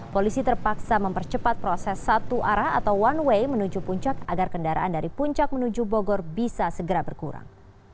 polisi terpaksa mempercepat proses satu arah atau one way menuju puncak agar kendaraan dari puncak menuju bogor bisa segera berkurang